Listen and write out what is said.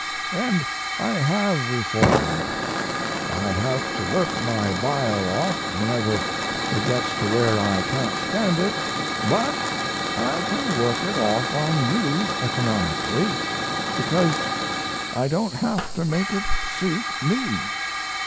And I have reformed. I have to work my bile off whenever it gets to where I can't stand it, but I can work it off on you economically, because I don't have to make it suit me.